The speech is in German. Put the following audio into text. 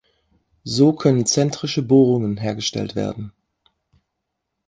So können zentrische Bohrungen hergestellt werden.